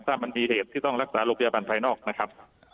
ถ้ามันมีเหตุที่ต้องรักษาโรงพยาบาลภายนอกนะครับ